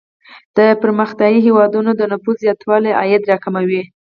د پرمختیايي هیوادونو د نفوسو زیاتوالی عاید را کموي.